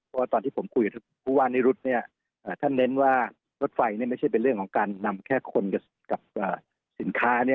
เพราะว่าตอนที่ผมคุยกับผู้ว่านิรุธท่านเน้นว่ารถไฟไม่ใช่เป็นเรื่องของการนำแค่คนกับสินค้า